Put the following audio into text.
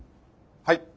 はい。